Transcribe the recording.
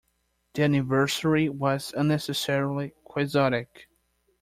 The anniversary was unnecessarily quixotic.